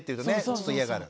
ちょっと嫌がる。